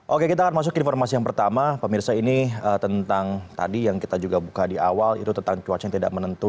oke kita akan masuk ke informasi yang pertama pemirsa ini tentang tadi yang kita juga buka di awal itu tentang cuaca yang tidak menentu